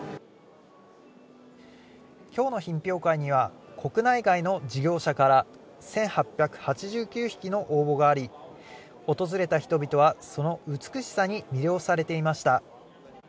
きょうの品評会には、国内外の事業者から１８８９匹の応募があり、訪れた人々は、その美しさに魅了されていました。